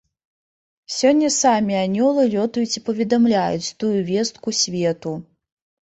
Сёння самі анёлы лётаюць і паведамляюць тую вестку свету.